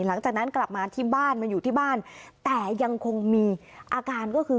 หลังจากนั้นกลับมาที่บ้านมาอยู่ที่บ้านแต่ยังคงมีอาการก็คือ